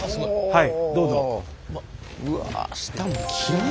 はい。